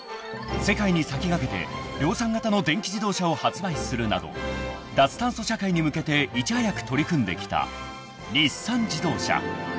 世界に先駆けて量産型の電気自動車を発売するなど脱炭素社会に向けていち早く取り組んできた日産自動車］